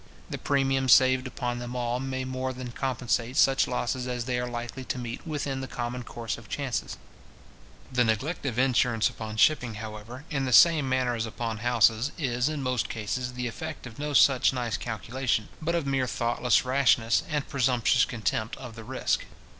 The premium saved up on them all may more than compensate such losses as they are likely to meet with in the common course of chances. The neglect of insurance upon shipping, however, in the same manner as upon houses, is, in most cases, the effect of no such nice calculation, but of mere thoughtless rashness, and presumptuous contempt of the risk.